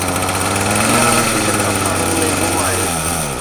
اها حقيقت افسانن ۾ گم آهي.